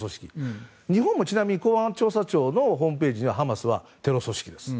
日本も公安調査庁のホームページには、ハマスはテロ組織です。